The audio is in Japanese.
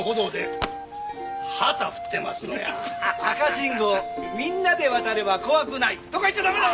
赤信号みんなで渡れば怖くない！とか言っちゃダメだよ！